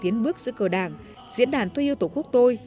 tiến mưu là một bước giữa cờ đảng diễn đàn tôi yêu tổ quốc tôi